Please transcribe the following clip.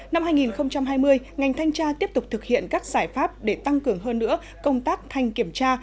năm hai nghìn hai mươi ngành thanh tra tiếp tục thực hiện các giải pháp để tăng cường hơn nữa công tác thanh kiểm tra